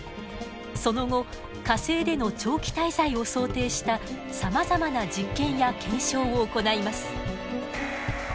その後火星での長期滞在を想定したさまざまな実験や検証を行います。